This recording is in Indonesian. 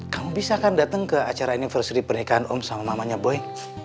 kamu bisa kan datang ke acara universary pernikahan om sama mamanya boy